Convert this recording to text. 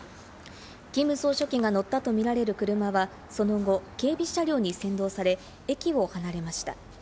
キム総書記が乗ったとみられる車はその後、警備車両に先導され、駅を離れました。